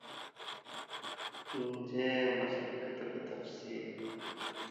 ންޖެހޭ މަސައްކަތުގެ ތަފްޞީލް